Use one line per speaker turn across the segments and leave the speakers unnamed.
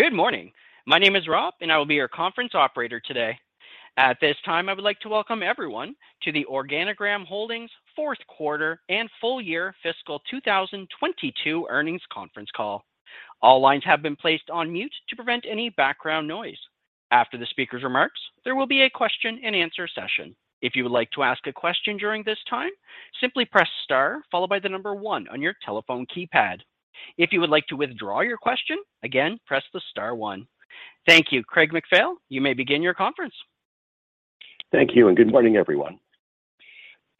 Good morning. My name is Rob and I will be your conference operator today. At this time, I would like to welcome everyone to the Organigram Holdings Fourth Quarter and Full Year Fiscal 2022 Earnings Conference Call. All lines have been placed on mute to prevent any background noise. After the speaker's remarks, there will be a question and answer session. If you would like to ask a question during this time, simply press star followed by the number one on your telephone keypad. If you would like to withdraw your question, again, press the star one. Thank you. Craig MacPhail, you may begin your conference.
Thank you and good morning, everyone.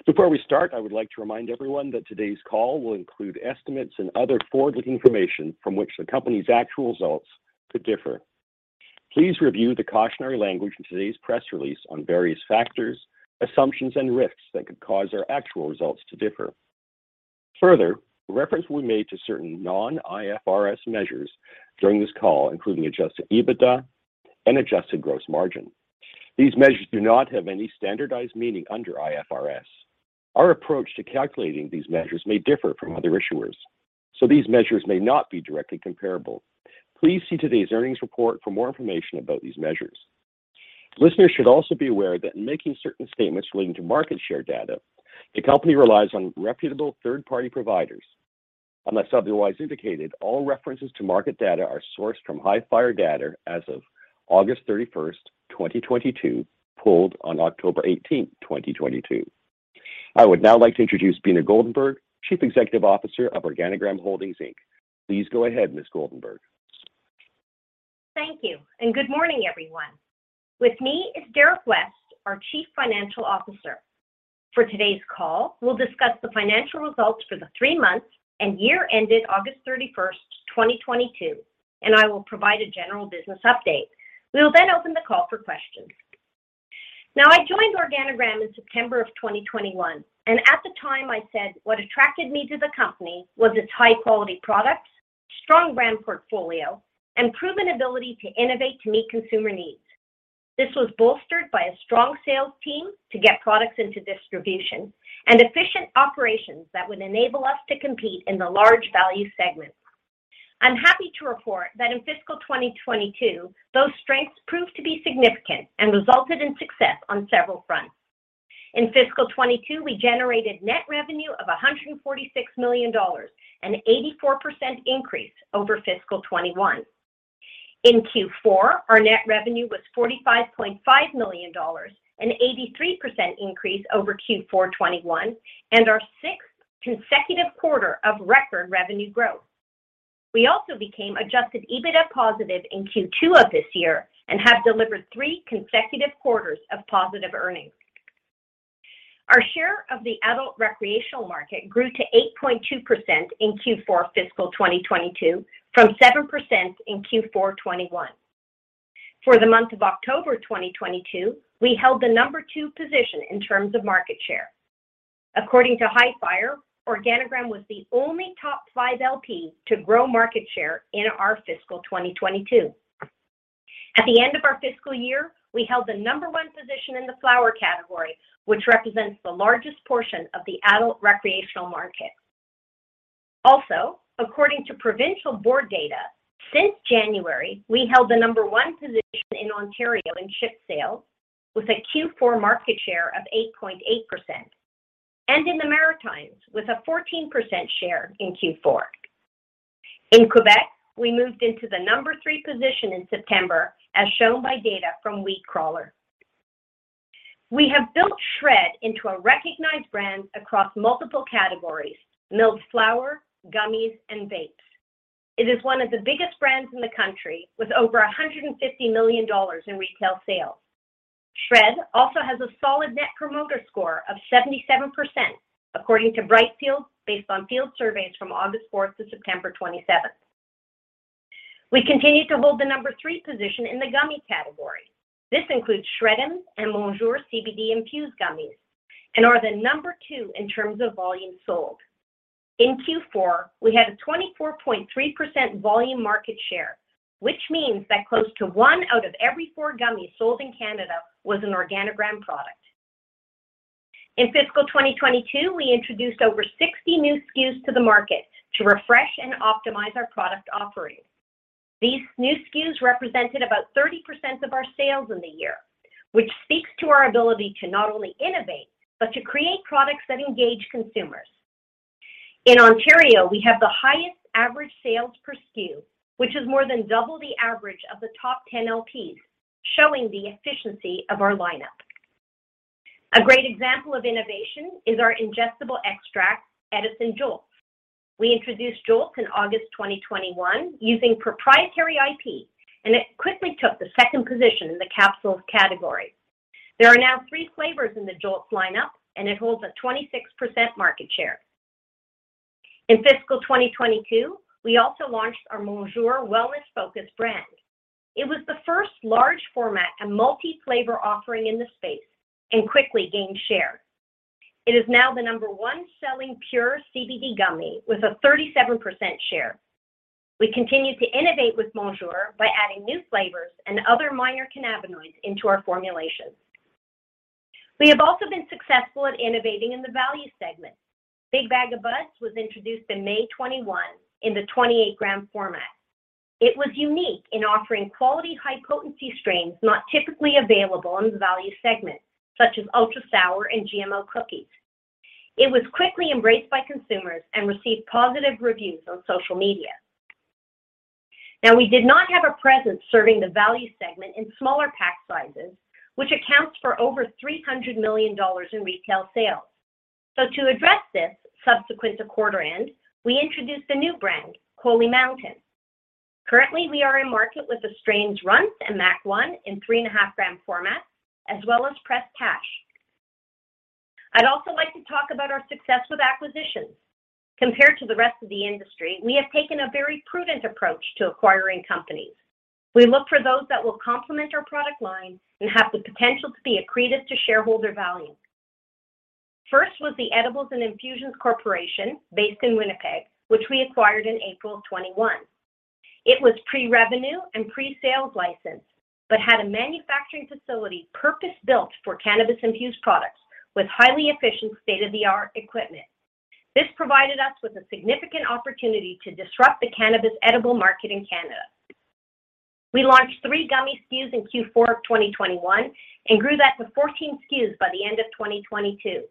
Before we start, I would like to remind everyone that today's call will include estimates and other forward-looking information from which the company's actual results could differ. Please review the cautionary language in today's press release on various factors, assumptions, and risks that could cause our actual results to differ. Further, reference will be made to certain non-IFRS measures during this call, including adjusted EBITDA and adjusted Gross Margin. These measures do not have any standardized meaning under IFRS. Our approach to calculating these measures may differ from other issuers, so these measures may not be directly comparable. Please see today's earnings report for more information about these measures. Listeners should also be aware that in making certain statements relating to market share data, the company relies on reputable third-party providers. Unless otherwise indicated, all references to market data are sourced from Hifyre Data as of August 31st, 2022, pulled on October 18th, 2022. I would now like to introduce Beena Goldenberg, Chief Executive Officer of Organigram Holdings Inc. Please go ahead, Ms. Goldenberg.
Thank you, and good morning, everyone. With me is Derrick West, our Chief Financial Officer. For today's call, we'll discuss the financial results for the three months and year ended August 31st, 2022, and I will provide a general business update. We will open the call for questions. Now, I joined Organigram in September of 2021 and at the time I said what attracted me to the company was its high-quality products, strong brand portfolio, and proven ability to innovate to meet consumer needs. This was bolstered by a strong sales team to get products into distribution and efficient operations that would enable us to compete in the large value segment. I'm happy to report that in Fiscal 2022, those strengths proved to be significant and resulted in success on several fronts. In Fiscal 2022, we generated net revenue of 146 million dollars, an 84% increase over Fiscal 2021. In Q4, our net revenue was CAD 45.5 million, an 83% increase over Q4 2021, and our sixth consecutive quarter of record revenue growth. We also became adjusted EBITDA positive in Q2 of this year and have delivered three consecutive quarters of positive earnings. Our share of the adult recreational market grew to 8.2% in Q4 Fiscal 2022 from 7% in Q4 2021. For the month of October 2022, we held the number two position in terms of market share. According to Hifyre, Organigram was the only top five LP to grow market share in our Fiscal 2022. At the end of our fiscal year, we held the number one position in the flower category, which represents the largest portion of the adult recreational market. Also, according to provincial board data, since January, we held the number one position in Ontario in shipped sales with a Q4 market share of 8.8%, and in the Maritimes with a 14% share in Q4. In Quebec, we moved into the number three position in September as shown by data from WeedCrawler. We have built SHRED into a recognized brand across multiple categories: milled flower, gummies, and vapes. It is one of the biggest brands in the country with over 150 million dollars in retail sales. SHRED also has a solid Net Promoter Score of 77%, according to Brightfield based on field surveys from August 4th to September 27th. We continue to hold the number three position in the gummy category. This includes Shreddies and Monjour CBD-infused gummies and are the number two in terms of volume sold. In Q4, we had a 24.3% volume market share, which means that close to one out of every four gummies sold in Canada was an Organigram product. In Fiscal 2022, we introduced over 60 new SKUs to the market to refresh and optimize our product offering. These new SKUs represented about 30% of our sales in the year, which speaks to our ability to not only innovate, but to create products that engage consumers. In Ontario, we have the highest average sales per SKU, which is more than double the average of the top 10 LPs, showing the efficiency of our lineup. A great example of innovation is our ingestible extract, Edison JOLTS. We introduced JOLTS in August 2021 using proprietary IP. It quickly took the second position in the capsules category. There are now three flavors in the JOLTS lineup and it holds a 26% market share. In Fiscal 2022, we also launched our Monjour wellness-focused brand. It was the first large format and multi-flavor offering in the space. It quickly gained share. It is now the number one selling pure CBD gummy with a 37% share. We continue to innovate with Monjour by adding new flavors and other minor cannabinoids into our formulations. We have also been successful at innovating in the value segment. Big Bag o' Buds was introduced in May 2021 in the 28 gram format. It was unique in offering quality high-potency strains not typically available in the value segment, such as Ultra Sour and GMO Cookies. It was quickly embraced by consumers and received positive reviews on social media. We did not have a presence serving the value segment in smaller pack sizes, which accounts for over 300 million dollars in retail sales. To address this, subsequent to quarter end, we introduced a new brand, Holy Mountain. Currently, we are in market with the strains R*ntz and MAC-1 in 3.5 gram format, as well as pressed hash. I'd also like to talk about our success with acquisitions. Compared to the rest of the industry, we have taken a very prudent approach to acquiring companies. We look for those that will complement our product line and have the potential to be accretive to shareholder value. First was The Edibles and Infusions Corporation based in Winnipeg, which we acquired in April of 2021. It was pre-revenue and pre-sales licensed but had a manufacturing facility purpose-built for cannabis-infused products with highly efficient state-of-the-art equipment. This provided us with a significant opportunity to disrupt the cannabis edible market in Canada. We launched three gummy SKUs in Q4 of 2021 and grew that to 14 SKUs by the end of 2022.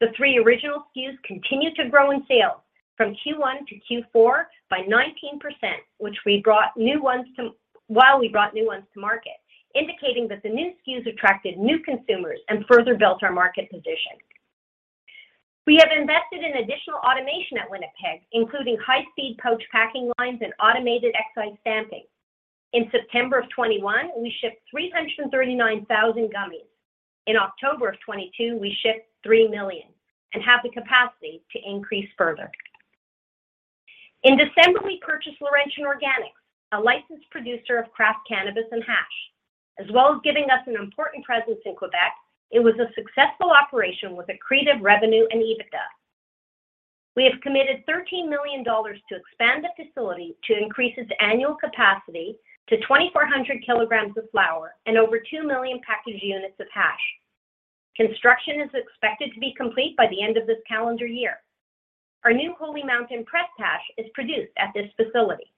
The three original SKUs continued to grow in sales from Q1 to Q4 by 19%, while we brought new ones to market indicating that the new SKUs attracted new consumers and further built our market position. We have invested in additional automation at Winnipeg, including high-speed pouch packing lines and automated excise stamping. In September of 2021, we shipped 339,000 gummies. In October of 2022, we shipped 3 million and have the capacity to increase further. In December, we purchased Laurentian Organics, a licensed producer of craft cannabis and hash. As well as giving us an important presence in Quebec, it was a successful operation with accretive revenue and EBITDA. We have committed $13 million to expand the facility to increase its annual capacity to 2,400 kg of flower and over 2 million packaged units of hash. Construction is expected to be complete by the end of this calendar year. Our new Holy Mountain pressed hash is produced at this facility.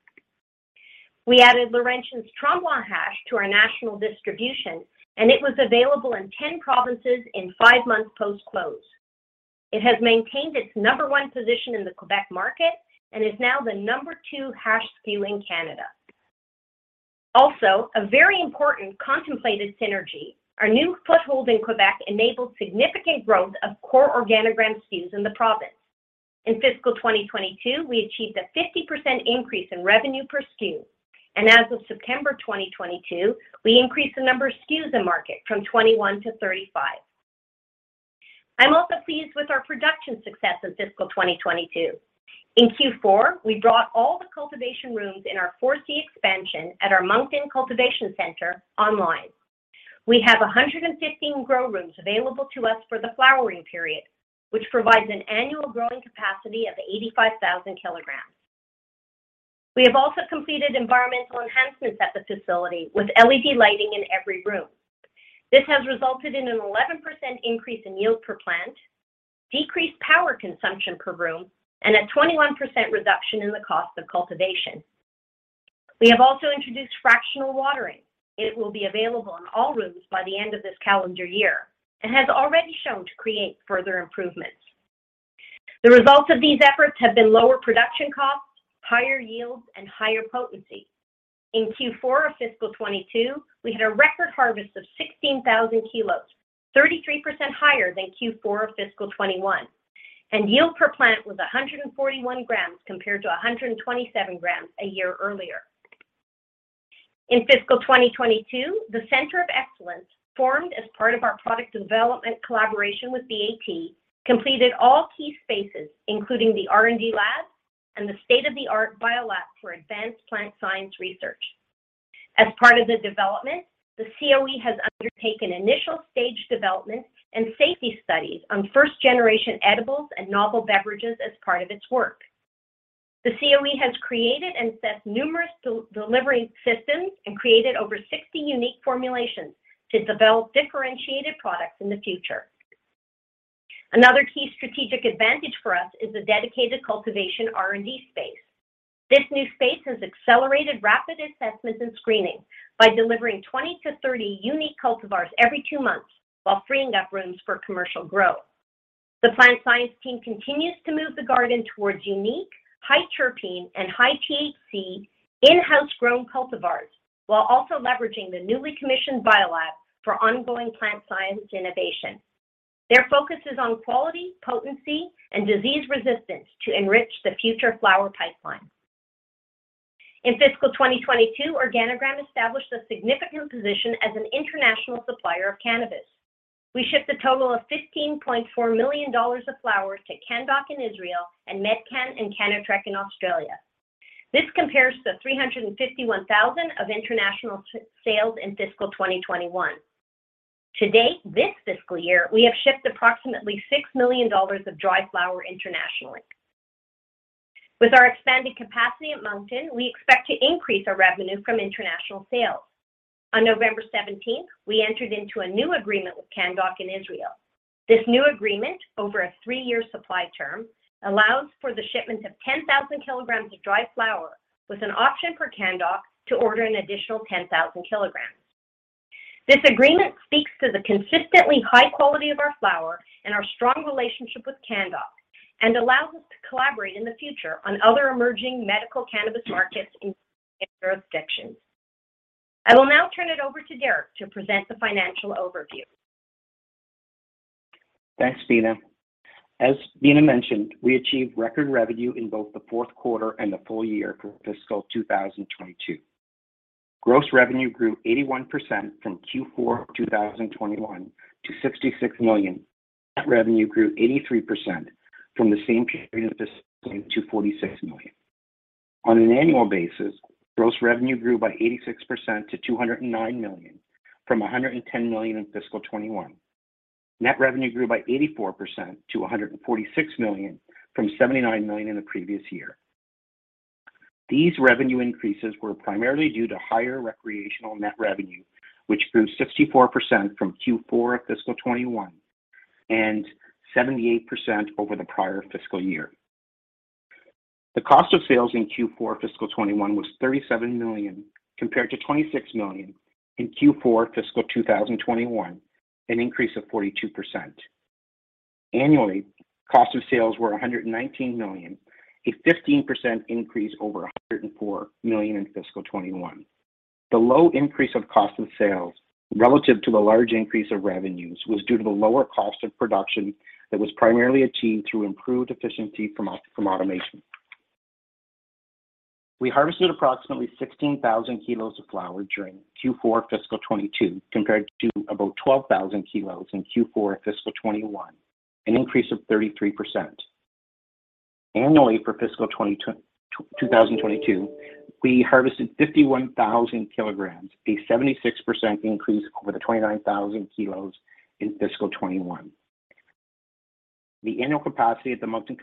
We added Laurentian's Tremblant hash to our national distribution, and it was available in 10 provinces in five months post-close. It has maintained its number one position in the Quebec market and is now the number two hash SKU in Canada. Also, a very important contemplated synergy, our new foothold in Quebec enabled significant growth of core Organigram SKUs in the province. In Fiscal 2022, we achieved a 50% increase in revenue per SKU, and as of September 2022, we increased the number of SKUs in market from 21 to 35. I'm also pleased with our production success in Fiscal 2022. In Q4, we brought all the cultivation rooms in our 4C expansion at our Moncton cultivation center online. We have 115 grow rooms available to us for the flowering period, which provides an annual growing capacity of 85,000 kg. We have also completed environmental enhancements at the facility with LED lighting in every room. This has resulted in an 11% increase in yield per plant, decreased power consumption per room, and a 21% reduction in the cost of cultivation. We have also introduced fractional watering. It will be available in all rooms by the end of this calendar year and has already shown to create further improvements. The results of these efforts have been lower production costs, higher yields, and higher potency. In Q4 of Fiscal 2022, we had a record harvest of 16,000 kilos, 33% higher than Q4 of Fiscal 2021, and yield per plant was 141 grams compared to 127 grams a year earlier. In Fiscal 2022, the Center of Excellence, formed as part of our product development collaboration with BAT, completed all key spaces, including the R&D lab and the state-of-the-art biolab for advanced plant science research. As part of the development, the CoE has undertaken initial stage development and safety studies on first-generation edibles and novel beverages as part of its work. The CoE has created and tested numerous delivery systems and created over 60 unique formulations to develop differentiated products in the future. Another key strategic advantage for us is the dedicated cultivation R&D space. This new space has accelerated rapid assessments and screening by delivering 20 to 30 unique cultivars every two months while freeing up rooms for commercial growth. The plant science team continues to move the garden towards unique, high terpene, and high THC in-house grown cultivars, while also leveraging the newly commissioned biolab for ongoing plant science innovation. Their focus is on quality, potency, and disease resistance to enrich the future flower pipeline. In Fiscal 2022, Organigram established a significant position as an international supplier of cannabis. We shipped a total of 15.4 million dollars of flower to Canndoc in Israel and Medcan and Cannatrek in Australia. This compares to 351,000 of international sales in Fiscal 2021. To date, this fiscal year, we have shipped approximately 6 million dollars of dry flower internationally. With our expanded capacity at Moncton, we expect to increase our revenue from international sales. On November 17, we entered into a new agreement with Canndoc in Israel. This new agreement, over a three-year supply term, allows for the shipment of 10,000 kg of dried flower, with an option for Canndoc to order an additional 10,000 kg. This agreement speaks to the consistently high quality of our flower and our strong relationship with Canndoc, and allows us to collaborate in the future on other emerging medical cannabis markets in jurisdictions. I will now turn it over to Derrick to present the financial overview.
Thanks, Beena. As Beena mentioned, we achieved record revenue in both the fourth quarter and the full-year for Fiscal 2022. Gross revenue grew 81% from Q4 of 2021 to 66 million. Net revenue grew 83% from the same period to 46 million. On an annual basis, gross revenue grew by 86% to 209 million from 110 million in Fiscal 2021. Net revenue grew by 84% to 146 million from 79 million in the previous year. These revenue increases were primarily due to higher recreational net revenue, which grew 64% from Q4 of Fiscal 2021 and 78% over the prior fiscal year. The cost of sales in Q4 Fiscal 2021 was 37 million, compared to 26 million in Q4 Fiscal 2021, an increase of 42%. Annually, cost of sales were 119 million, a 15% increase over 104 million in Fiscal 2021. The low increase of cost of sales relative to the large increase of revenues was due to the lower cost of production that was primarily achieved through improved efficiency from automation. We harvested approximately 16,000 kilos of flower during Q4 Fiscal 2022, compared to about 12,000 kilos in Q4 Fiscal 2021, an increase of 33%. Annually for Fiscal 2022, we harvested 51,000 kg, a 76% increase over the 29,000 kilos in Fiscal 2021. The annual capacity at the Moncton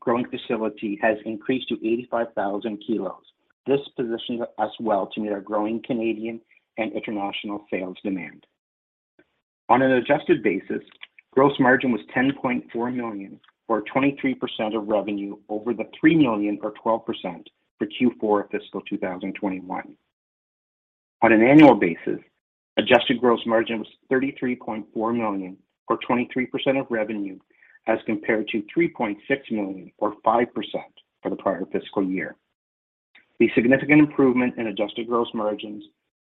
growing facility has increased to 85,000 kilos. This positions us well to meet our growing Canadian and international sales demand. On an adjusted basis, gross margin was 10.4 million, or 23% of revenue over 3 million or 12% for Q4 Fiscal 2021. On an annual basis, adjusted gross margin was 33.4 million, or 23% of revenue, as compared to 3.6 million or 5% for the prior fiscal year. The significant improvement in adjusted gross margins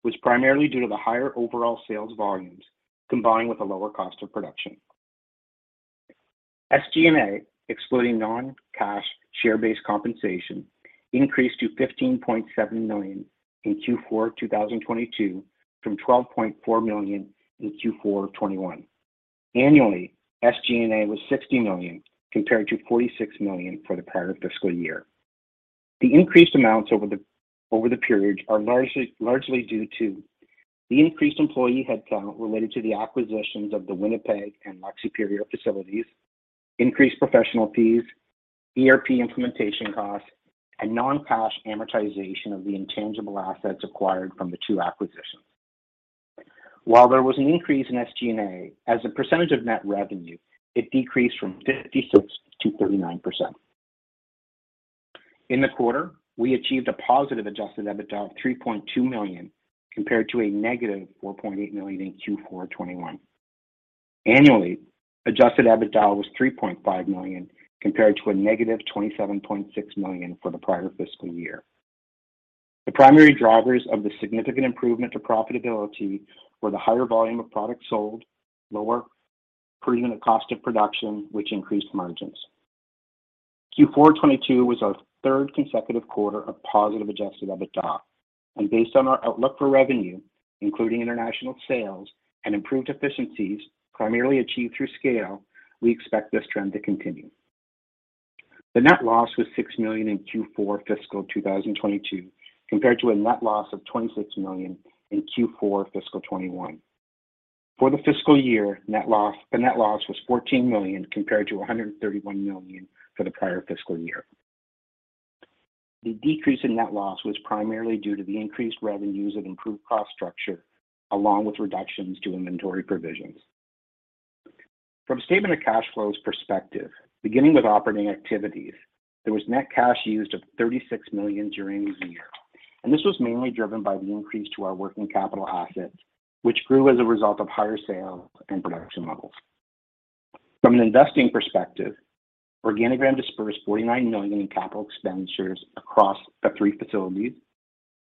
was primarily due to the higher overall sales volumes, combined with a lower cost of production. SG&A, excluding non-cash share-based compensation, increased to 15.7 million in Q4 2022 from 12.4 million in Q4 of 2021. Annually, SG&A was 60 million, compared to 46 million for the prior fiscal year. The increased amounts over the period are largely due to the increased employee headcount related to the acquisitions of the Winnipeg and Lac-Supérieur facilities, increased professional fees, ERP implementation costs, and non-cash amortization of the intangible assets acquired from the two acquisitions. While there was an increase in SG&A, as a percentage of net revenue, it decreased from 56% to 39%. In the quarter, we achieved a positive adjusted EBITDA of 3.2 million, compared to a negative 4.8 million in Q4 2021. Annually, adjusted EBITDA was 3.5 million, compared to a negative 27.6 million for the prior fiscal year. The primary drivers of the significant improvement to profitability were the higher volume of products sold, lower per-unit cost of production, which increased margins. Q4 2022 was our third consecutive quarter of positive Adjusted EBITDA. Based on our outlook for revenue, including international sales and improved efficiencies, primarily achieved through scale, we expect this trend to continue. The net loss was 6 million in Q4 of Fiscal 2022, compared to a net loss of 26 million in Q4 of Fiscal 2021. For the fiscal year, the net loss was 14 million compared to 131 million for the prior fiscal year. The decrease in net loss was primarily due to the increased revenues and improved cost structure, along with reductions to inventory provisions. From a statement of cash flows perspective, beginning with operating activities, there was net cash used of 36 million during the year. This was mainly driven by the increase to our working capital assets, which grew as a result of higher sales and production levels. From an investing perspective, Organigram dispersed 49 million in capital expenditures across the three facilities,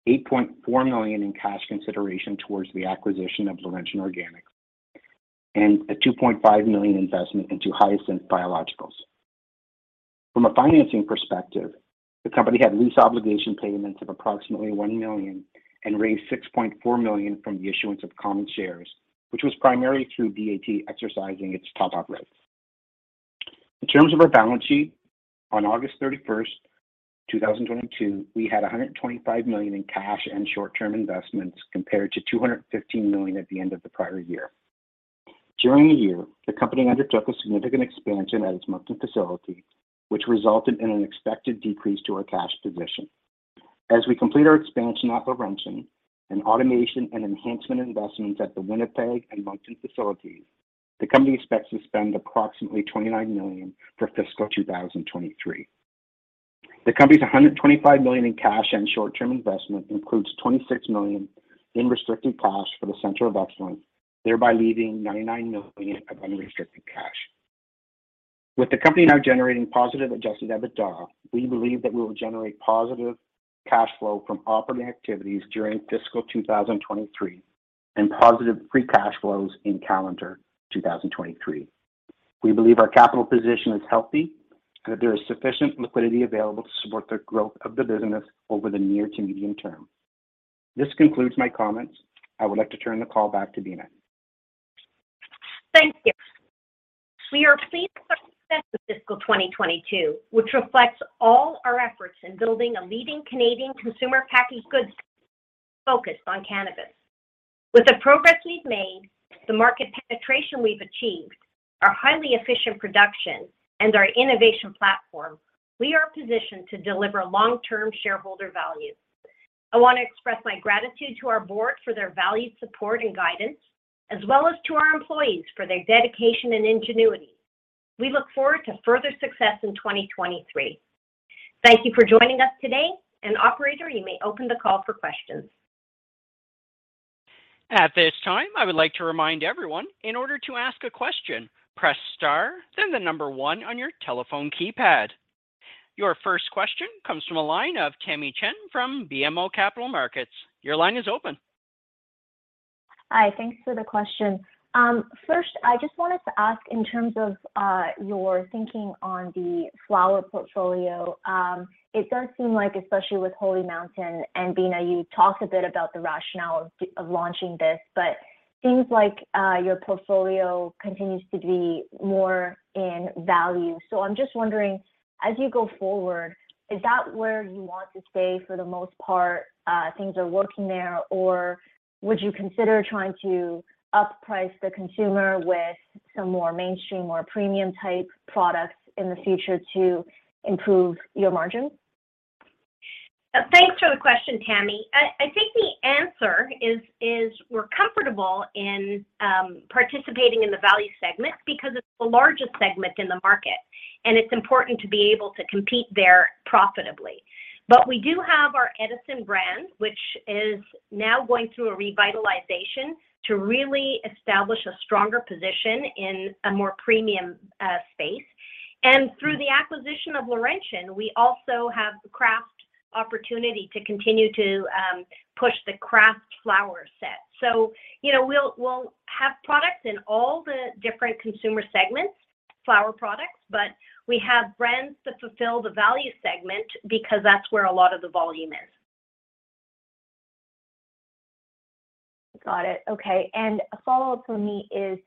8.4 million in cash consideration towards the acquisition of Laurentian Organic, and a 2.5 million investment into Hyasynth Biologicals. From a financing perspective, the company had lease obligation payments of approximately 1 million and raised 6.4 million from the issuance of common shares, which was primarily through BAT exercising its top-up rights. In terms of our balance sheet, on August 31st, 2022, we had 125 million in cash and short-term investments compared to 215 million at the end of the prior year. During the year, the company undertook a significant expansion at its Moncton facility, which resulted in an expected decrease to our cash position. As we complete our expansion at Laurentian and automation and enhancement investments at the Winnipeg and Moncton facilities, the company expects to spend approximately 29 million for Fiscal 2023. The company's 125 million in cash and short-term investment includes 26 million in restricted cash for the Center of Excellence, thereby leaving 99 million of unrestricted cash. With the company now generating positive adjusted EBITDA, we believe that we will generate positive cash flow from operating activities during Fiscal 2023 and positive free cash flows in calendar 2023. We believe our capital position is healthy and that there is sufficient liquidity available to support the growth of the business over the near to medium term. This concludes my comments and I would like to turn the call back to Beena.
Thank you. We are pleased with the success of Fiscal 2022, which reflects all our efforts in building a leading Canadian consumer packaged goods focused on cannabis. With the progress we've made, the market penetration we've achieved, our highly efficient production, and our innovation platform, we are positioned to deliver long-term shareholder value. I want to express my gratitude to our board for their valued support and guidance as well as to our employees for their dedication and ingenuity. We look forward to further success in 2023. Thank you for joining us today. Operator, you may open the call for questions.
At this time, I would like to remind everyone, in order to ask a question, press star then the number one on your telephone keypad. Your first question comes from a line of Tamy Chen from BMO Capital Markets. Your line is open.
Hi. Thanks for the question. First, I just wanted to ask in terms of your thinking on the flower portfolio. It does seem like, especially with Holy Mountain, and Beena, you talked a bit about the rationale of launching this, but it seems like your portfolio continues to be more in value. I'm just wondering, as you go forward, is that where you want to stay for the most part, things are working there, or would you consider trying to up-price the consumer with some more mainstream, more premium-type products in the future to improve your margin?
Thanks for the question, Tamy. I think the answer is we're comfortable in participating in the value segment because it's the largest segment in the market, and it's important to be able to compete there profitably. We do have our Edison brand, which is now going through a revitalization to really establish a stronger position in a more premium space. Through the acquisition of Laurentian, we also have the craft opportunity to continue to push the craft flower set. We'll have products in all the different consumer segments, flower products, but we have brands that fulfill the value segment because that's where a lot of the volume is.
Got it. Okay and a follow-up from me is,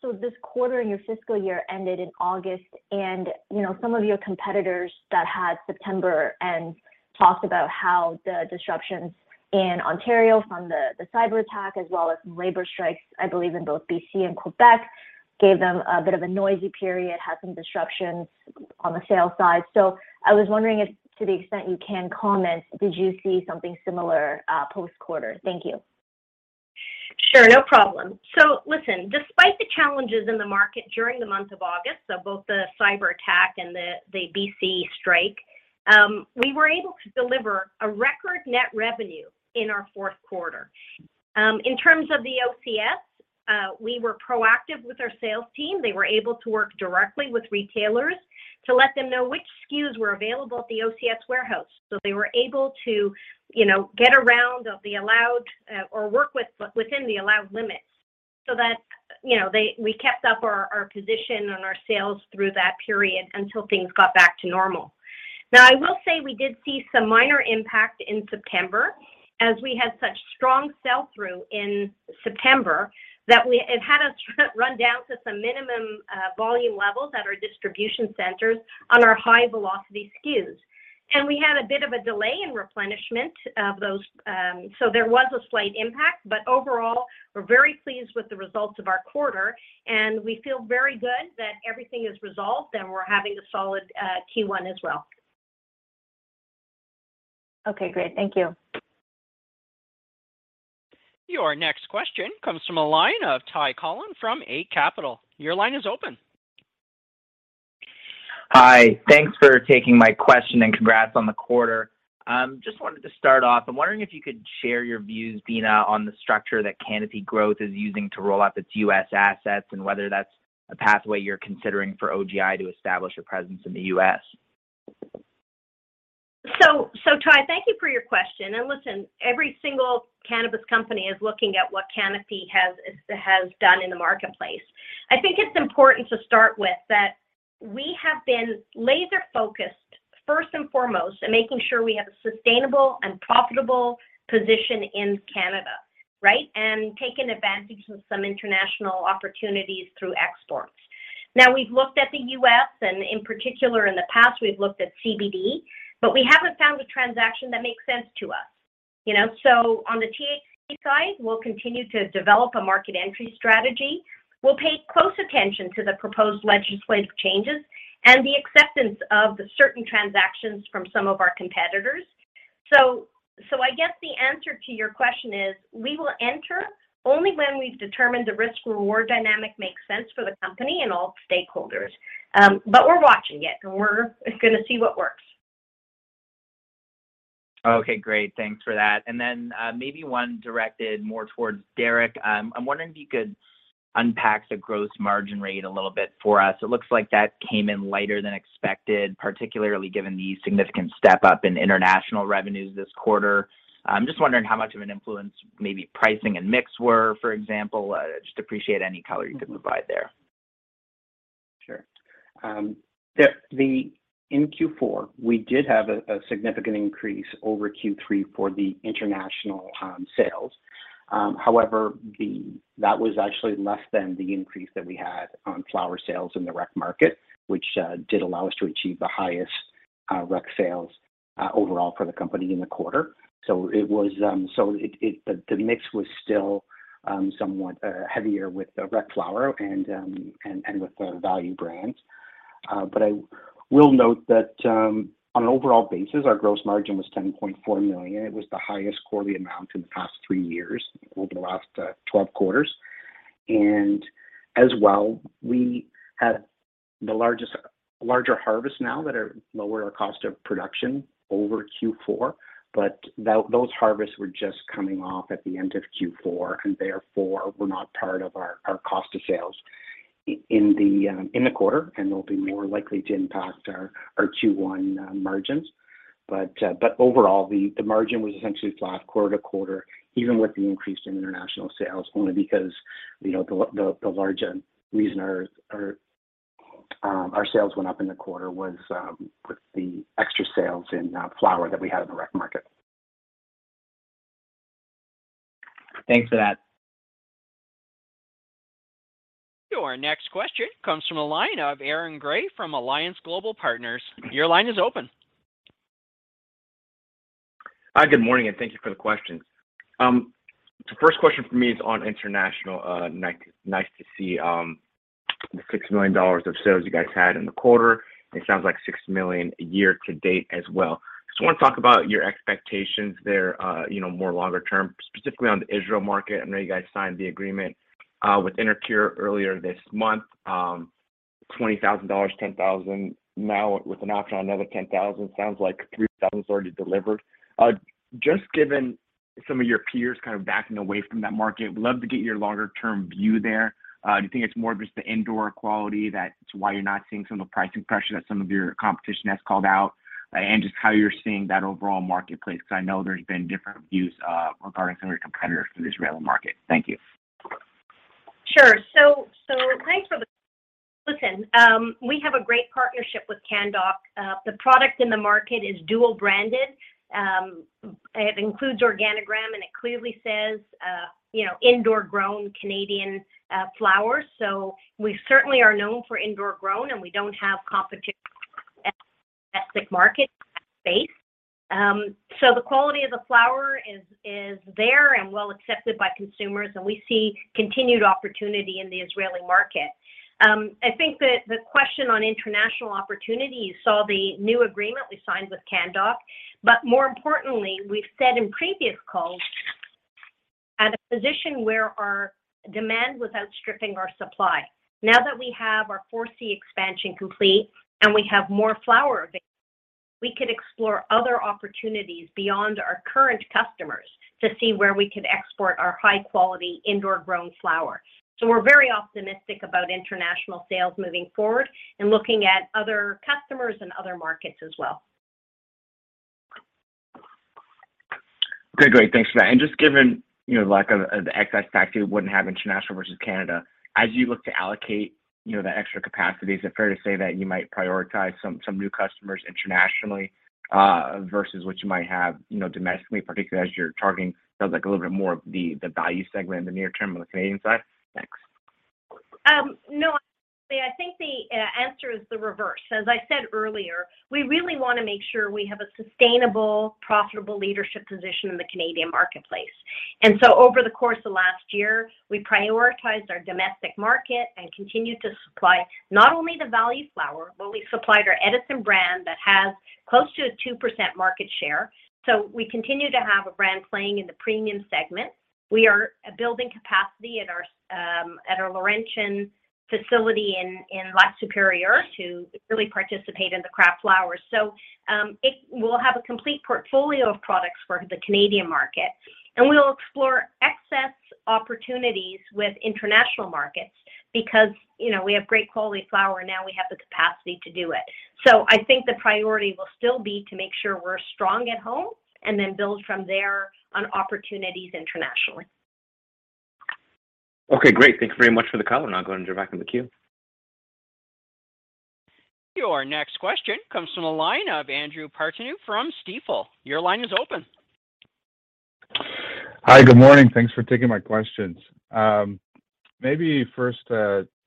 so this quarter in your fiscal year ended in August, and, you know, some of your competitors that had September end talked about how the disruptions in Ontario from the cyberattack as well as some labor strikes, I believe in both BC and Quebec gave them a bit of a noisy period, had some disruptions on the sales side. I was wondering if, to the extent you can comment, did you see something similar post-quarter? Thank you.
Sure. No problem. Listen, despite the challenges in the market during the month of August so both the cyberattack and the BC strike, we were able to deliver a record net revenue in our fourth quarter. In terms of the OCS, we were proactive with our sales team. They were able to work directly with retailers to let them know which SKUs were available at the OCS warehouse. They were able to, you know, get around of the allowed or work within the allowed limits so that, you know, we kept up our position on our sales through that period until things got back to normal. I will say we did see some minor impact in September as we had such strong sell-through in September that it had us run down to some minimum volume levels at our distribution centers on our high-velocity SKUs. We had a bit of a delay in replenishment of those so there was a slight impact. Overall, we're very pleased with the results of our quarter, and we feel very good that everything is resolved, and we're having a solid Q1 as well.
Okay, great. Thank you.
Your next question comes from a line of Ty Collin from Eight Capital. Your line is open.
Hi. Thanks for taking my question and congrats on the quarter. I just wanted to start off, I'm wondering if you could share your views, Beena, on the structure that Canopy Growth is using to roll out its U.S. assets and whether that's a pathway you're considering for OGI to establish a presence in the U.S.
Ty, thank you for your question, and listen, every single cannabis company is looking at what Canopy has done in the marketplace. I think it's important to start with that we have been laser-focused, first and foremost, in making sure we have a sustainable and profitable position in Canada, right, and taken advantage of some international opportunities through exports. Now, we've looked at the U.S., and in particular in the past, we've looked at CBD, but we haven't found a transaction that makes sense to us. You know, on the THC side, we'll continue to develop a market entry strategy. We'll pay close attention to the proposed legislative changes and the acceptance of the certain transactions from some of our competitors. The answer to your question is, we will enter only when we've determined the risk-reward dynamic makes sense for the company and all stakeholders. We're watching it and we're going to see what works.
Okay, great. Thanks for that. Then, maybe one directed more towards Derrick. I'm wondering if you could unpack the gross margin rate a little bit for us. It looks like that came in lighter than expected, particularly given the significant step up in international revenues this quarter. I'm just wondering how much of an influence maybe pricing and mix were, for example, just appreciate any color you can provide there.
Sure. Yeah. In Q4, we did have a significant increase over Q3 for the international sales. However, that was actually less than the increase that we had on flower sales in the rec market, which did allow us to achieve the highest rec sales overall for the company in the quarter. It was, so the mix was still heavier with the rec flower, and with the value brands. I will note that on an overall basis, our gross margin was 10.4 million. It was the highest quarterly amount in the past three years over the last 12 quarters. As well, we have the larger harvest now that are lower our cost of production over Q4, but those harvests were just coming off at the end of Q4, and therefore, were not part of our cost of sales in the quarter, and they'll be more likely to impact our Q1 margins. Overall, the margin was essentially flat quarter-to-quarter, even with the increase in international sales, only because, you know, the large reason our sales went up in the quarter was with the extra sales in flower that we had in the rec market.
Thanks for that.
Your next question comes from the line of Aaron Grey from Alliance Global Partners. Your line is open.
Hi, good morning, and thank you for the questions. The first question from me is on international. It's nice to see the 6 million dollars of sales you guys had in the quarter. It sounds like 6 million a year to date as well. I just want to talk about your expectations there, you know, more longer term, specifically on the Israel market. I know you guys signed the agreement with InterCure earlier this month. 20,000 dollars, 10,000 now with an option on another 10,000. It sounds like CAD 3,000's already delivered. Just given some of your peers kind of backing away from that market, I would love to get your longer-term view there. Do you think it's more just the indoor quality that's why you're not seeing some of the pricing pressure that some of your competition has called out? And just how you're seeing that overall marketplace because I know there's been different views, regarding some of your competitors for the Israeli market? Thank you.
Sure. Thanks for the question. Listen, we have a great partnership with Canndoc. The product in the market is dual branded. It includes Organigram, and it clearly says, you know, indoor grown Canadian flowers. We certainly are known for indoor grown and we don't have competition at the domestic market space. The quality of the flower is there and well accepted by consumers and we see continued opportunity in the Israeli market. I think the question on international opportunity, you saw the new agreement we signed with Canndoc. More importantly, we've said in previous calls, at a position where our demand was outstripping our supply. Now that we have our 4C expansion complete and we have more flower, we could explore other opportunities beyond our current customers to see where we could export our high-quality indoor grown flower. We're very optimistic about international sales moving forward and looking at other customers and other markets as well.
Okay, great. Thanks for that and just given, you know, like, the excess capacity you wouldn't have international versus Canada, as you look to allocate, you know, the extra capacity, is it fair to say that you might prioritize some new customers internationally versus what you might have, you know, domestically, particularly as you're targeting, it sounds like a little bit more of the value segment in the near term on the Canadian side? Thanks.
No, I think the answer is the reverse. As I said earlier, we really want to make sure we have a sustainable, profitable leadership position in the Canadian marketplace. Over the course of last year, we prioritized our domestic market and continued to supply not only the value flower but we supplied our Edison brand that has close to a 2% market share. We continue to have a brand playing in the premium segment. We are building capacity at our Laurentian facility in Lac-Supérieur to really participate in the craft flowers. We'll have a complete portfolio of products for the Canadian market, and we'll explore excess opportunities with international markets because, you know, we have great quality flower, now we have the capacity to do it. I think the priority will still be to make sure we're strong at home and then build from there on opportunities internationally.
Okay, great. Thank you very much for the color. I'll go and jump back in the queue.
Your next question comes from the line of Andrew Partheniou from Stifel. Your line is open.
Hi, good morning, and thanks for taking my questions. maybe first,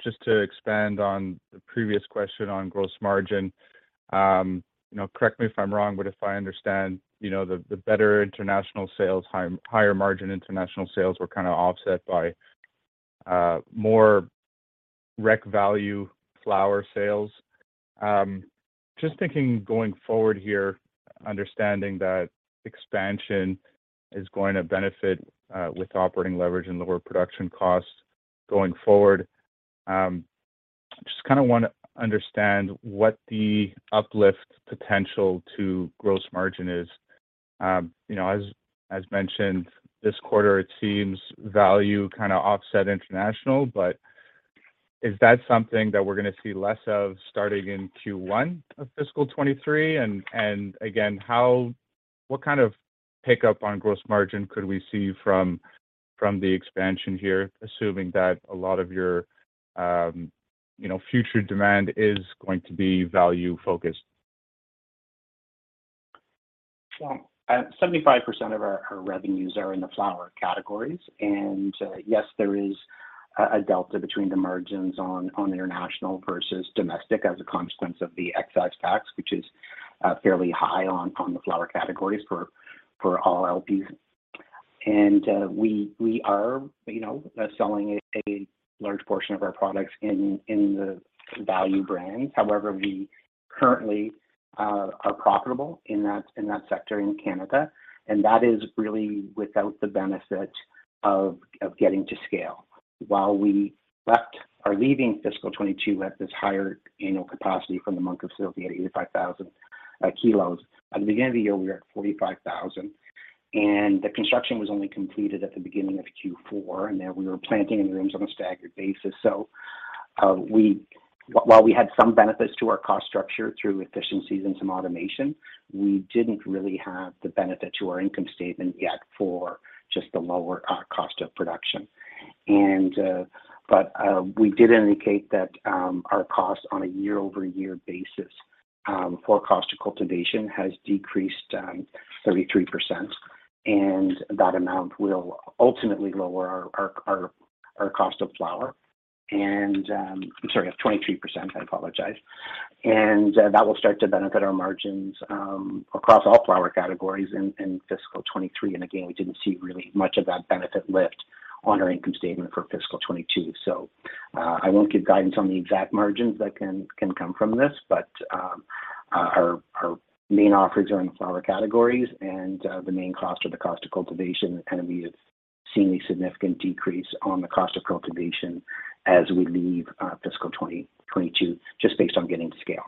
just to expand on the previous question on gross margin. Correct me if I'm wrong, but if I understand, you know, the better international sales, higher margin international sales were kind of offset by more rec value flower sales. just thinking going forward here, understanding that expansion is going to benefit with operating leverage and lower production costs going forward. just kind of want to understand what the uplift potential to gross margin is. you know, as mentioned this quarter, it seems value kind of offset international, but is that something that we're going to see less of starting in Q1 of Fiscal 2023? Again, what kind of pickup on gross margin could we see from the expansion here, assuming that a lot of your, you know, future demand is going to be value-focused?
Well, 75% of our revenues are in the flower categories. Yes, there is a delta between the margins on international versus domestic as a consequence of the excise tax, which is fairly high on the flower categories for all LPs. We are, you know, selling a large portion of our products in the value brands. However, we currently are profitable in that sector in Canada, and that is really without the benefit of getting to scale. While we left or leaving Fiscal 2022 at this higher annual capacity from the Moncton facility at 85,000 kilos, at the beginning of the year, we were at 45,000. The construction was only completed at the beginning of Q4, and there, we were planting in rooms on a staggered basis. While we had some benefits to our cost structure through efficiencies and some automation, we didn't really have the benefit to our income statement yet for just the lower cost of production. We did indicate that our cost on a year-over-year basis for cost of cultivation has decreased 33%, and that amount will ultimately lower our cost of flower, I'm sorry, of 23%, I apologize. That will start to benefit our margins across all flower categories in Fiscal 2023. Again, we didn't see really much of that benefit lift on our income statement for Fiscal 2022. I won't give guidance on the exact margins that can come from this, but our main offers are in flower categories and the main cost are the cost of cultivation, kind of we have seen a significant decrease on the cost of cultivation as we leave Fiscal 2022 just based on getting to scale.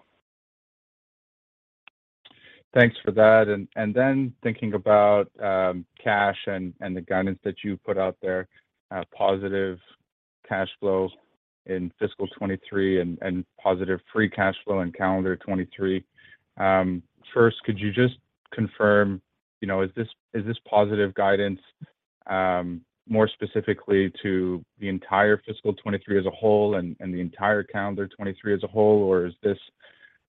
Thanks for that and then thinking about cash and the guidance that you put out there, positive cash flow in Fiscal 2023, and positive free cash flow in calendar 2023. First, could you just confirm, you know, is this positive guidance more specifically to the entire Fiscal 2023 as a whole and the entire calendar 2023 as a whole, or is this,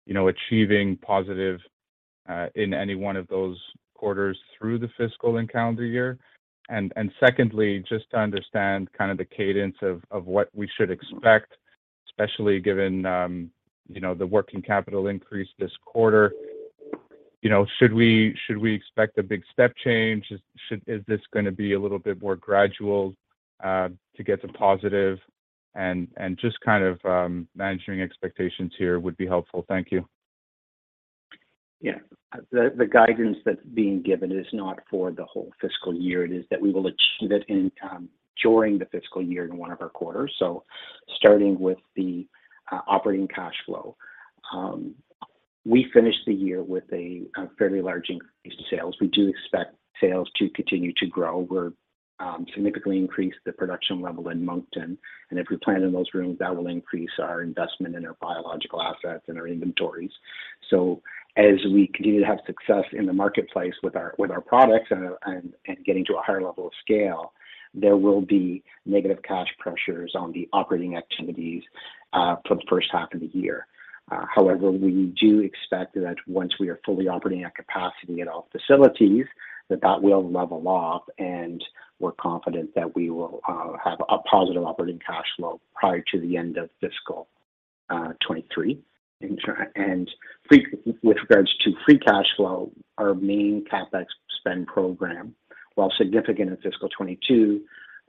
you know, achieving positive in any one of those quarters through the fiscal and calendar year? Secondly, just to understand kind of the cadence of what we should expect, especially given, you know, the working capital increase this quarter. You know, should we expect a big step change? Is this going to be a little bit more gradual to get to positive? And just kind of managing expectations here would be helpful. Thank you.
Yeah. The guidance that's being given is not for the whole fiscal year. It is that we will achieve it in during the fiscal year in one of our quarters so starting with the operating cash flow. We finished the year with a fairly large increase in sales. We do expect sales to continue to grow. We're significantly increased the production level in Moncton, and if we plant in those rooms, that will increase our investment in our biological assets and our inventories. As we continue to have success in the marketplace with our products and getting to a higher level of scale, there will be negative cash pressures on the operating activities for the first half of the year. However, we do expect that once we are fully operating at capacity at all facilities that will level off, and we're confident that we will have a positive operating cash flow prior to the end of Fiscal 2023. With regards to free cash flow, our main CapEx spend program, while significant in Fiscal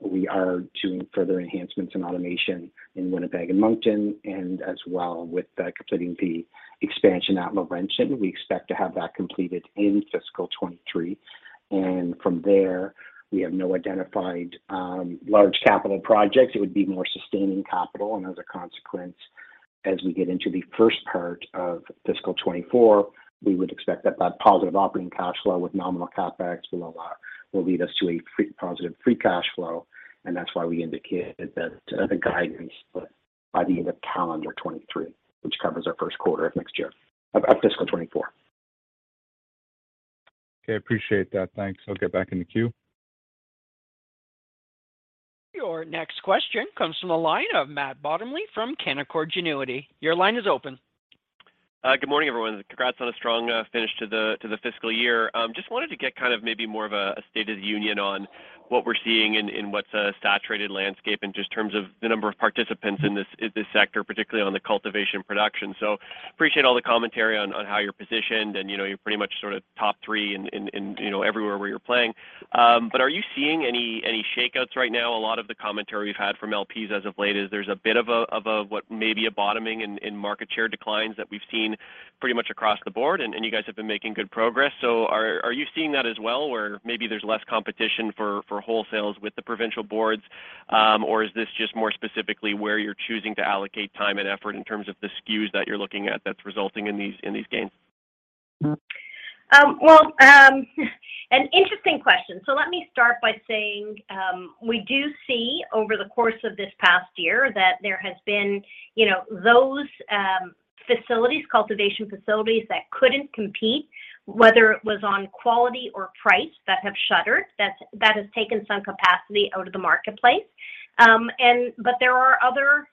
2022, we are doing further enhancements in automation in Winnipeg and Moncton, and as well with completing the expansion at Laurentian. We expect to have that completed in Fiscal 2023. From there, we have no identified large capital projects. It would be more sustaining capital. As a consequence, as we get into the first part of Fiscal 2024, we would expect that positive operating cash flow with nominal CapEx will lead us to a positive free cash flow, and that's why we indicated that the guidance by the end of calendar 2023, which covers our first quarter of next year, of Fiscal 2024.
Okay. Appreciate that. Thanks. I'll get back in the queue.
Your next question comes from the line of Matt Bottomley from Canaccord Genuity. Your line is open.
Good morning, everyone. Congrats on a strong finish to the fiscal year. I just wanted to get kind of maybe more of a state of the union on what we're seeing in what's a saturated landscape and just in terms of the number of participants in this sector, particularly on the cultivation production. Appreciate all the commentary on how you're positioned, and, you know, you're pretty much sort of top three in, you know, everywhere where you're playing. Are you seeing any shakeouts right now? A lot of the commentary we've had from LPs as of late is there's a bit of a what may be a bottoming in market share declines that we've seen pretty much across the board, and you guys have been making good progress. Are you seeing that as well where maybe there's less competition for wholesales with the provincial boards or is this just more specifically where you're choosing to allocate time and effort in terms of the SKUs that you're looking at that's resulting in these gains?
Well, an interesting question. Let me start by saying, we do see over the course of this past year that there has been, you know, those facilities, cultivation facilities that couldn't compete, whether it was on quality or price, that have shuttered. That has taken some capacity out of the marketplace. There are other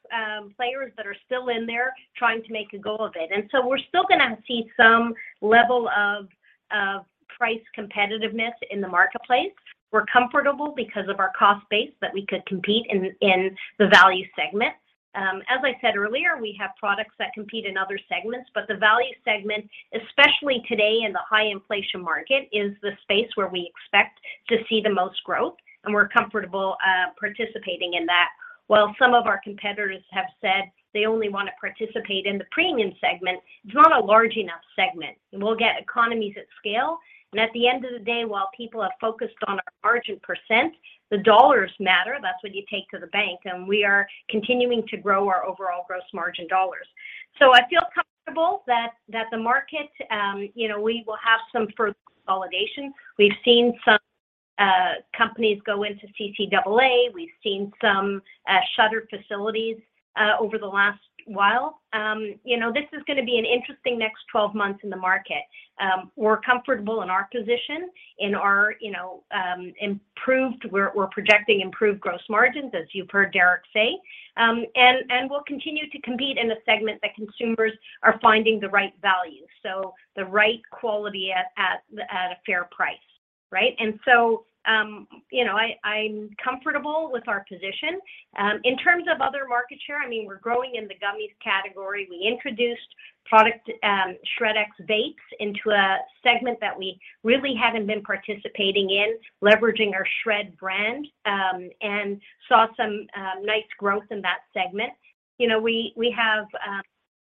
players that are still in there trying to make a go of it, we're still going to see some level of price competitiveness in the marketplace. We're comfortable because of our cost base that we could compete in the value segment. As I said earlier, we have products that compete in other segments, but the value segment, especially today in the high inflation market, is the space where we expect to see the most growth, and we're comfortable participating in that. While some of our competitors have said they only want to participate in the premium segment, it's not a large enough segment. We'll get economies at scale and at the end of the day, while people are focused on our margin percent, the Canadian dollars matter. That's what you take to the bank, and we are continuing to grow our overall gross margin Canadian dollars. I feel comfortable that the market, you know, we will have some further consolidation. We've seen some companies go into CCAA. We've seen some shutter facilities over the last while. This is going to be an interesting next 12 months in the market. We're comfortable in our position, in our, you know, improved. We're projecting improved gross margins, as you've heard Derrick say. We'll continue to compete in a segment that consumers are finding the right value. The right quality at a fair price, right? I'm comfortable with our position. In terms of other market share, I mean, we're growing in the gummies category. We introduced product, SHRED X Vapes into a segment that we really haven't been participating in, leveraging our SHRED brand, and saw some nice growth in that segment. We have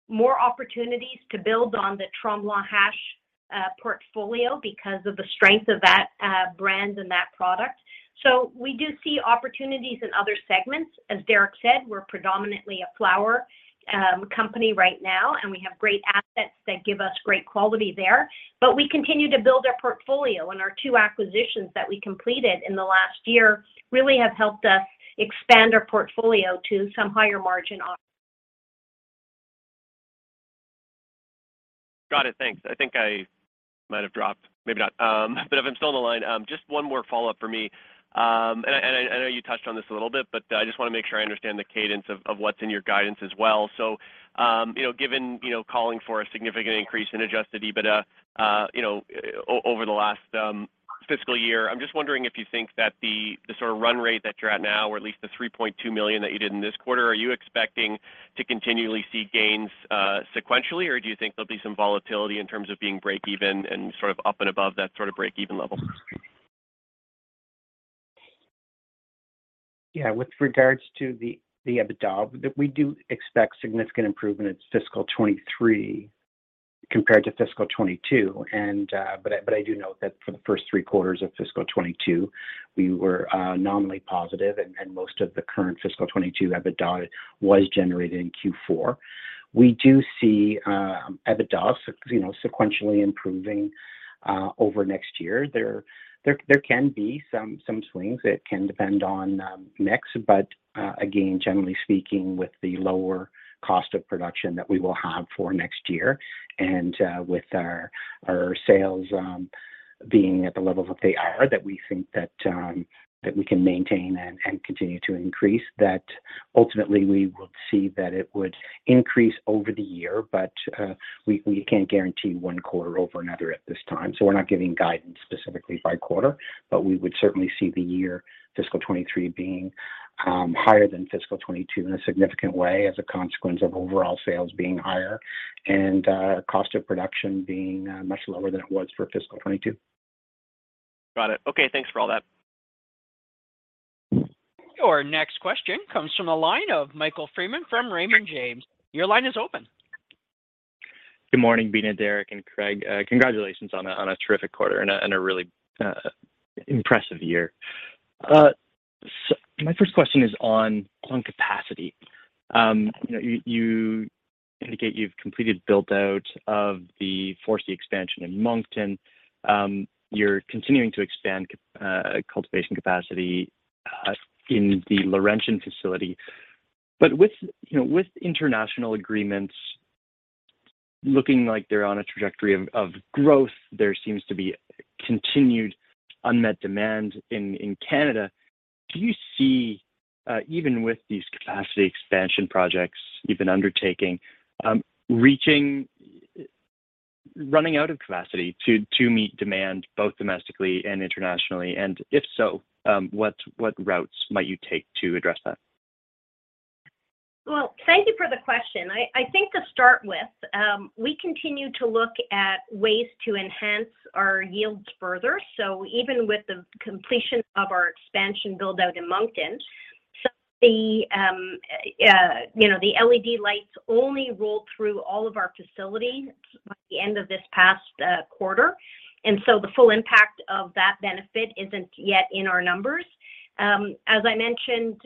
more opportunities to build on the Tremblant Cannabis portfolio because of the strength of that brand and that product. We do see opportunities in other segments. As Derrick said, we're predominantly a flower company right now and we have great assets that give us great quality there. We continue to build our portfolio and our two acquisitions that we completed in the last year really have helped us expand our portfolio to some higher margin.
Got it. Thanks. I think I might have dropped, maybe not. If I'm still on the line, just one more follow-up for me. I know you touched on this a little bit, but I just want to make sure I understand the cadence of what's in your guidance as well. You know, given, you know, calling for a significant increase in adjusted EBITDA, you know, over the last fiscal year, I'm just wondering if you think that the sort of run rate that you're at now or at least the 3.2 million that you did in this quarter, are you expecting to continually see gains sequentially or do you think there'll be some volatility in terms of being break even and sort of up and above that sort of break-even level?
Yeah. With regards to the EBITDA, we do expect significant improvement in Fiscal 2023 compared to Fiscal 2022. I do note that for the first three quarters of Fiscal 2022, we were nominally positive and most of the current Fiscal 2022 EBITDA was generated in Q4. We do see EBITDA, you know, sequentially improving over next year. There can be some swings. It can depend on mix. Again, generally speaking, with the lower cost of production that we will have for next year and with our sales being at the levels that they are that we think that we can maintain and continue to increase, that ultimately we will see that it would increase over the year. We can't guarantee one quarter over another at this time. We're not giving guidance specifically by quarter. We would certainly see the year Fiscal 2023 being higher than Fiscal 2022 in a significant way as a consequence of overall sales being higher and cost of production being much lower than it was for Fiscal 2022.
Got it. Okay, thanks for all that.
Your next question comes from the line of Michael Freeman from Raymond James. Your line is open.
Good morning, Beena, Derrick, and Craig. Congratulations on a terrific quarter and a really impressive year. My first question is on capacity. You indicate you've completed build-out of the Phase D expansion in Moncton. You're continuing to expand cultivation capacity in the Laurentian facility. With, you know, with international agreements, looking like they're on a trajectory of growth, there seems to be continued unmet demand in Canada. Do you see even with these capacity expansion projects you've been undertaking, running out of capacity to meet demand both domestically and internationally? If so, what routes might you take to address that?
Well, thank you for the question. I think to start with, we continue to look at ways to enhance our yields further so even with the completion of our expansion build-out in Moncton, the LED lights only rolled through all of our facilities by the end of this past quarter. So the full impact of that benefit isn't yet in our numbers. As I mentioned,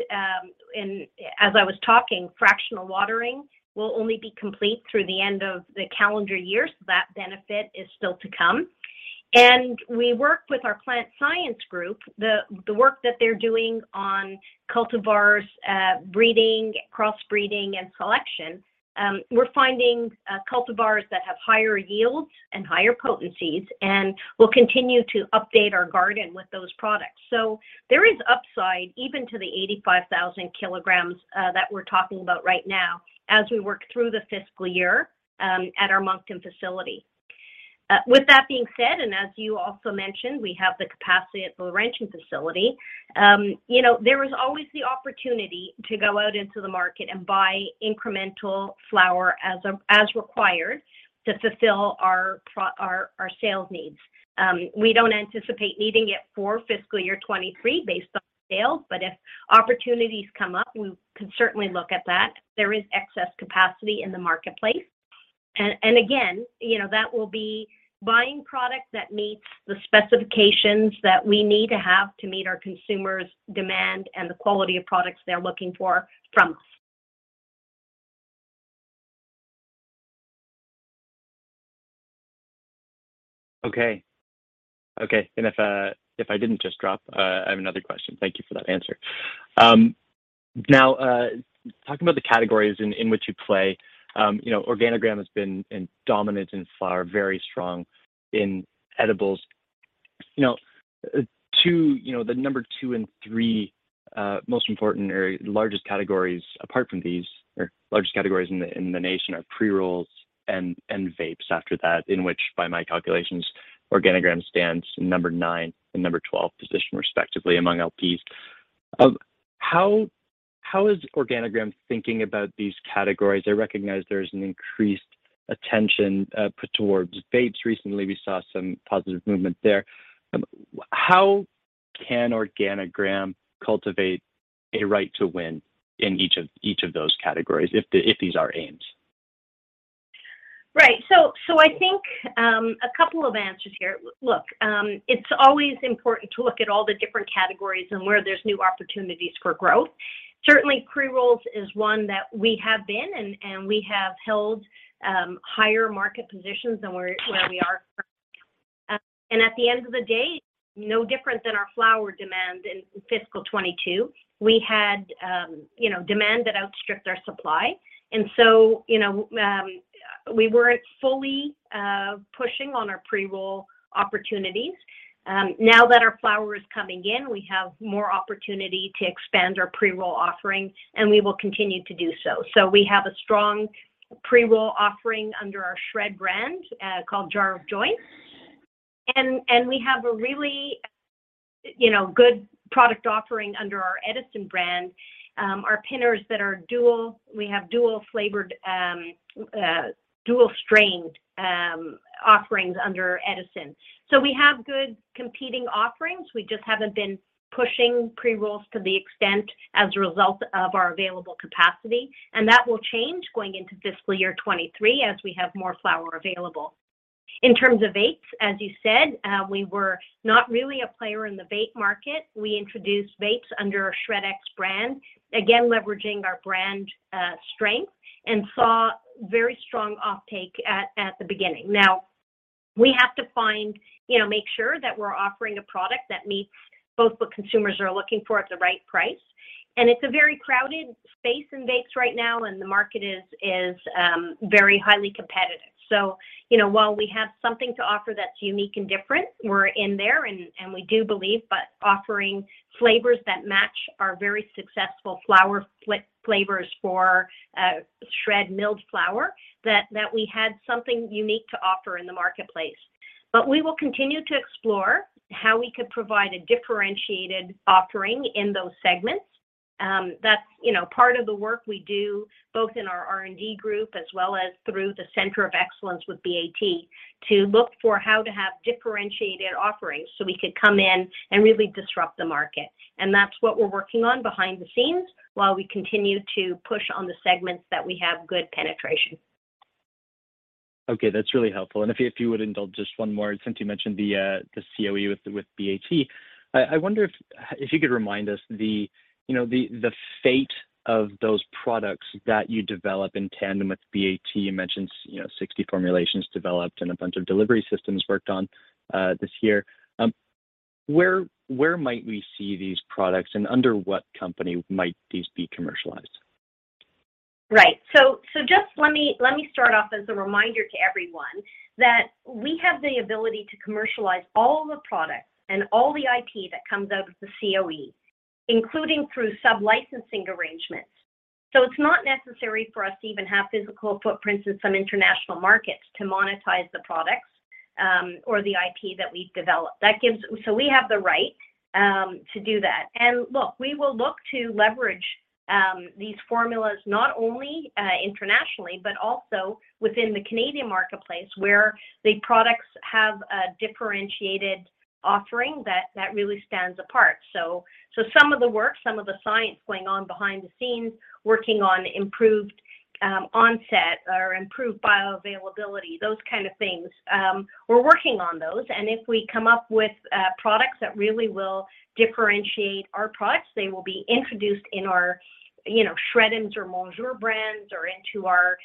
as I was talking, fractional watering will only be complete through the end of the calendar year, so that benefit is still to come. And we work with our plant science group. The work that they're doing on cultivars, breeding, cross-breeding, and selection, we're finding cultivars that have higher yields and higher potencies, and we'll continue to update our garden with those products. There is upside even to the 85,000 kg that we're talking about right now as we work through the fiscal year at our Moncton facility. With that being said and as you also mentioned, we have the capacity at the Laurentian facility. You know, there is always the opportunity to go out into the market and buy incremental flower as required to fulfill our sales needs. We don't anticipate needing it for Fiscal Year 2023 based on sales, but if opportunities come up, we can certainly look at that. There is excess capacity in the marketplace. Again, you know, that will be buying product that meets the specifications that we need to have to meet our consumers' demand and the quality of products they're looking for from us.
Okay. Okay. If I didn't just drop, I have another question. Thank you for that answer. Now, talking about the categories in which you play, you know, Organigram has been dominant in flower, very strong in edibles. Two, you know, the number two and three, most important or largest categories apart from these, or largest categories in the nation are pre-rolls and vapes after that, in which, by my calculations, Organigram stands number nine and number 12 position respectively among LPs. How is Organigram thinking about these categories? I recognize there's an increased attention put towards vapes recently. We saw some positive movement there. How can Organigram cultivate a right to win in each of those categories if these are aims?
Right. I think a couple of answers here. Look, it's always important to look at all the different categories and where there's new opportunities for growth. Certainly, pre-rolls is one that we have been, and we have held higher market positions than where we are currently. At the end of the day, no different than our flower demand in Fiscal 2022, we had, you know, demand that outstripped our supply. You know, we weren't fully pushing on our pre-roll opportunities. Now that our flower is coming in, we have more opportunity to expand our pre-roll offering, and we will continue to do so. We have a strong pre-roll offering under our SHRED brand, called Jar of Joints. We have a really, you know, good product offering under our Edison brand, our Pinners that are dual flavored, dual strained offerings under Edison. We have good competing offerings. We just haven't been pushing pre-rolls to the extent as a result of our available capacity. That will change going into Fiscal Year 2023 as we have more flower available. In terms of vapes, as you said, we were not really a player in the vape market. We introduced vapes under our SHRED X brand, again, leveraging our brand strength and saw very strong offtake at the beginning. We have to find, you know, make sure that we're offering a product that meets both what consumers are looking for at the right price. It's a very crowded space in vapes right now and the market is very highly competitive. You know, while we have something to offer that's unique and different, we're in there and we do believe by offering flavors that match our very successful flower flavors for SHRED milled flower that we had something unique to offer in the marketplace. We will continue to explore on how we could provide a differentiated offering in those segments. That's, you know, part of the work we do both in our R&D group as well as through the Center of Excellence with BAT to look for how to have differentiated offerings, so we could come in and really disrupt the market. That's what we're working on behind the scenes while we continue to push on the segments that we have good penetration.
Okay. That's really helpful and If you would indulge just one more, since you mentioned the CoE with BAT, I wonder if you could remind us the, you know, the fate of those products that you develop in tandem with BAT. You mentioned, you know, 60 formulations developed and a bunch of delivery systems worked on this year. Where might we see these products and under what company might these be commercialized?
Right, so just let me start off as a reminder to everyone that we have the ability to commercialize all the products and all the IP that comes out of the CoE, including through sub-licensing arrangements. It's not necessary for us to even have physical footprints in some international markets to monetize the products or the IP that we've developed. We have the right to do that. And look, we will look to leverage these formulas not only internationally, but also within the Canadian marketplace where the products have a differentiated offering that really stands apart. Some of the work, some of the science going on behind the scenes, working on improved onset or improved bioavailability, those kind of things. We're working on those, and if we come up with products that really will differentiate our products, they will be introduced in our, you know, SHRED or Monjour brands or into our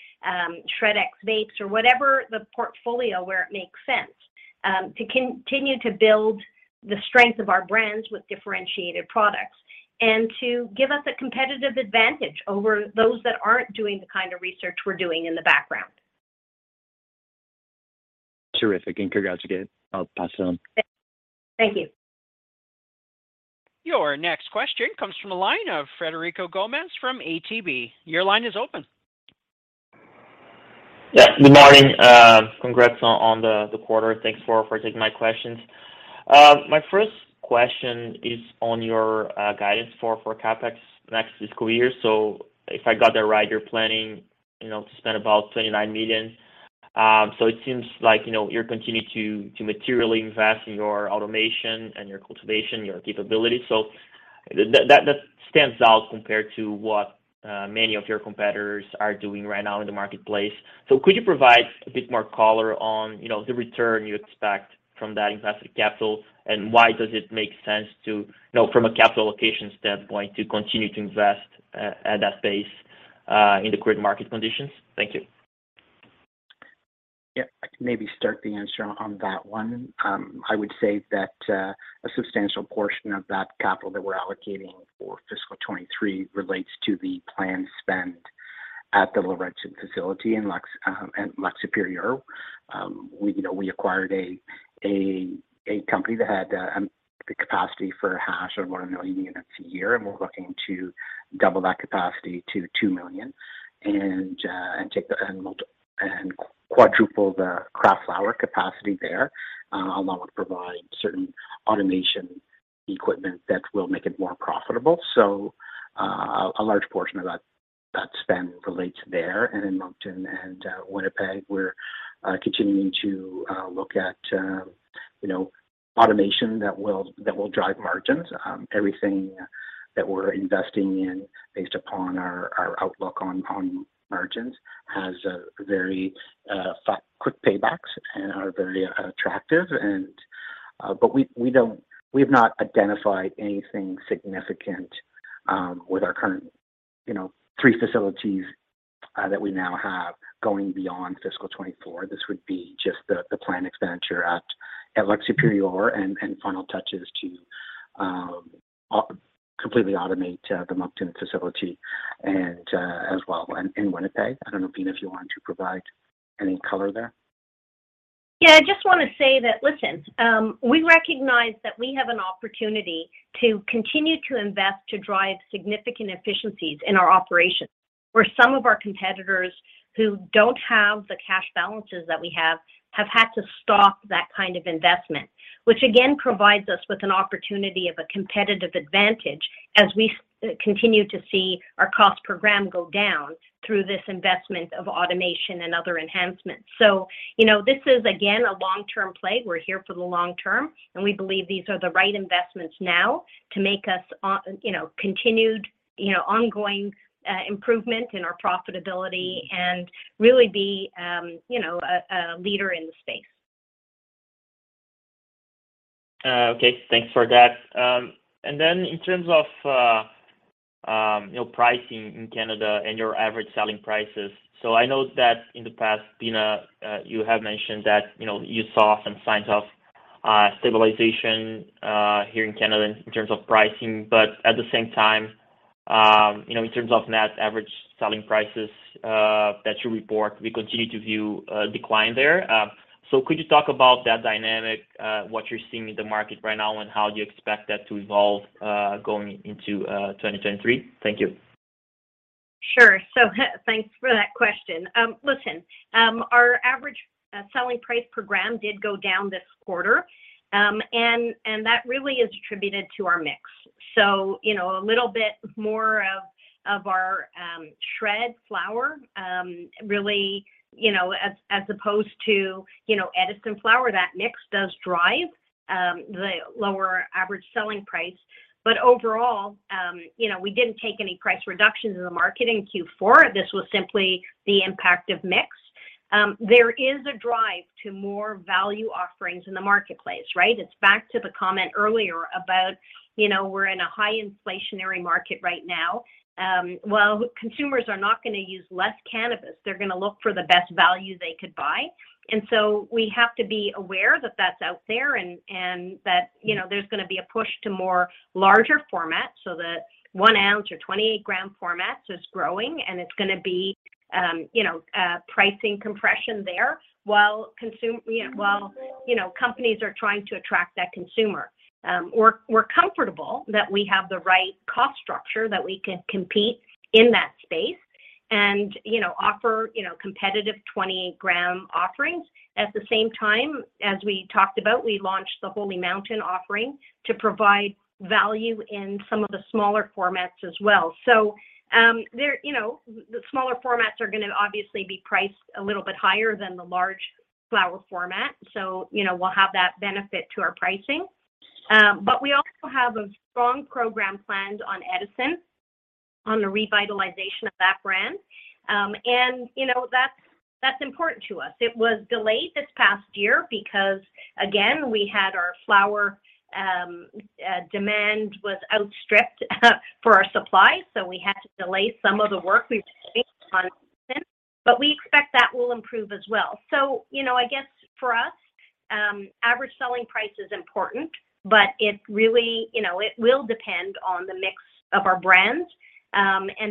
SHRED X Vapes or whatever the portfolio where it makes sense to continue to build the strength of our brands with differentiated products and to give us a competitive advantage over those that aren't doing the kind of research we're doing in the background.
Terrific. Congrats again. I'll pass it on.
Thank you.
Your next question comes from the line of Frederico Gomes from ATB. Your line is open.
Yeah. Good morning. Congrats on the quarter. Thanks for taking my questions. My first question is on your guidance for CapEx next fiscal year. If I got that right, you're planning, you know, to spend about 29 million. It seems like, you know, you're continuing to materially invest in your automation and your cultivation capabilities. That stands out compared to what many of your competitors are doing right now in the marketplace. Could you provide a bit more color on, you know, the return you expect from that invested capital and why does it make sense to, you know, from a capital allocation standpoint to continue to invest at that pace in the current market conditions? Thank you.
Yeah. I can maybe start the answer on that one. I would say that a substantial portion of that capital that we're allocating for Fiscal 2023 relates to the planned spend at the Laurentian facility in Lac-Supérieur. We, you know, we acquired a company that had the capacity for hash of 1 million units a year, and we're looking to double that capacity to 2 million, and quadruple the craft flower capacity there, along with providing certain automation equipment that will make it more profitable. A large portion of that spend relates there. In Moncton and Winnipeg, we're continuing to look at, you know, automation that will drive margins. Everything that we're investing in based upon our outlook on margins has a very quick paybacks and are very attractive. But we've not identified anything significant with our current, you know, three facilities that we now have going beyond Fiscal 2024. This would be just the planned expenditure at Lac-Supérieur and final touches to completely automate the Moncton facility and as well in Winnipeg. I don't know, Beena, if you wanted to provide any color there.
Yeah. I just want to say that, listen, we recognize that we have an opportunity to continue to invest to drive significant efficiencies in our operations where some of our competitors who don't have the cash balances that we have have had to stop that kind of investment, which again provides us with an opportunity of a competitive advantage as we continue to see our cost per gram go down through this investment of automation and other enhancements. This is again, a long-term play. We're here for the long term, and we believe these are the right investments now to make us, you know, continued, you know, ongoing improvement in our profitability and really be, you know, a leader in the space.
Okay. Thanks for that. Then in terms of, you know, pricing in Canada and your average selling prices. I know that in the past, Beena, you have mentioned that, you know, you saw some signs of stabilization here in Canada in terms of pricing. At the same time, you know, in terms of net average selling prices that you report, we continue to view a decline there. Could you talk about that dynamic, what you're seeing in the market right now, and how do you expect that to evolve going into 2023? Thank you.
Sure. Thanks for that question. Listen, our average selling price per gram did go down this quarter, and that really is attributed to our mix. You know, a little bit more of our SHRED flower, really, you know, as opposed to, you know, Edison flower, that mix does drive the lower average selling price. Overall, you know, we didn't take any price reductions in the market in Q4. This was simply the impact of mix. There is a drive to more value offerings in the marketplace, right? It's back to the comment earlier about, you know, we're in a high inflationary market right now. Consumers are not going to use less cannabis, they're going to look for the best value they could buy. We have to be aware that that's out there and that, you know, there's going to be a push to more larger formats. The one ounce or 20-gram formats is growing and it's going to be, you know, pricing compression there while, you know, companies are trying to attract that consumer. We're comfortable that we have the right cost structure that we can compete in that space and, you know, offer, you know, competitive 20-gram offerings. At the same time, as we talked about, we launched the Holy Mountain offering to provide value in some of the smaller formats as well. There, you know, the smaller formats are going to obviously be priced a little bit higher than the large flower format, so, you know, we'll have that benefit to our pricing. We also have a strong program planned on Edison on the revitalization of that brand. That's important to us. It was delayed this past year because, again, we had our flower, demand was outstripped for our supply, so we had to delay some of the work we've on since. We expect that will improve as well. You know, for us, average selling price is important, but it really, you know, it will depend on the mix of our brands.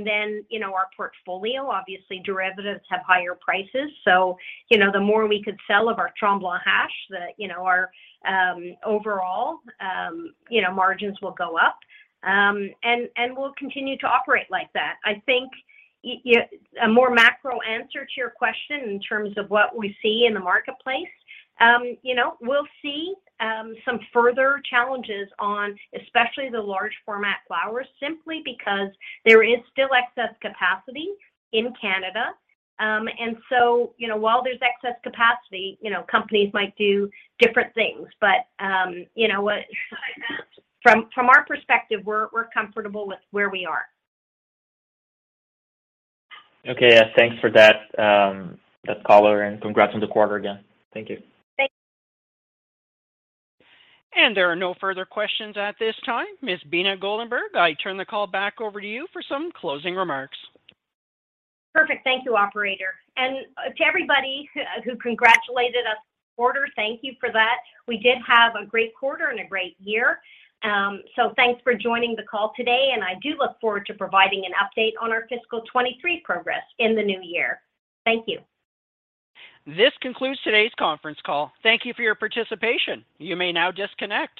Then, you know, our portfolio, obviously derivatives have higher prices, so, you know, the more we could sell of our Tremblant hash, you know, our overall, margins will go up. And we'll continue to operate like that. I think a more macro answer to your question in terms of what we see in the marketplace, you know, we'll see some further challenges on especially the large format flowers, simply because there is still excess capacity in Canada. So, you know, while there's excess capacity, you know, companies might do different things. You know what from our perspective, we're comfortable with where we are.
Okay. Yeah, thanks for that color, and congrats on the quarter again. Thank you.
Thank you.
There are no further questions at this time. Ms. Beena Goldenberg, I turn the call back over to you for some closing remarks.
Perfect. Thank you, operator. To everybody who congratulated us on the quarter, thank you for that. We did have a great quarter and a great year. Thanks for joining the call today, and I do look forward to providing an update on our Fiscal 2023 progress in the new year. Thank you.
This concludes today's conference call. Thank you for your participation. You may now disconnect.